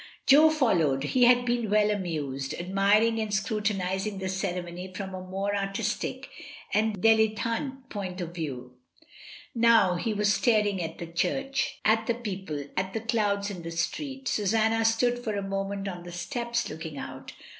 Jo followed, he had been well amused, ad miring and scrutinising the ceremony from a more artistic and dilettante point of view; now he was staring at the church, at the people, at the crowds in the street Susanna stood for a moment on the steps looking out.